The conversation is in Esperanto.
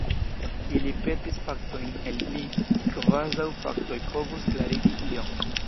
Ili petis faktojn el li, kvazaŭ faktoj povus klarigi ion!